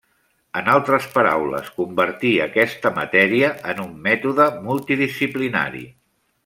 En altres paraules, convertir aquesta matèria en un mètode multidisciplinari.